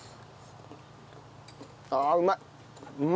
ああうまい。